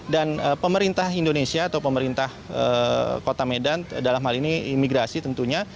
dan pemerintah indonesia atau pemerintah kota medan dalam hal ini imigrasi tentunya